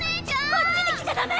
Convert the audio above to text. こっちに来ちゃダメ！